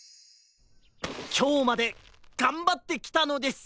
きょうまでがんばってきたのです！